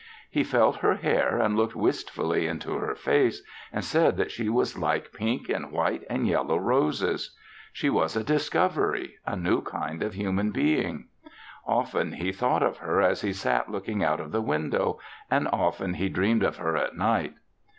He felt her hair and looked wistfully into her face and said that she was like pink and white and yellow roses. She was a discovery a new kind of human being. Often he thought of her as he sat looking out of the window and often he dreamed of her at night.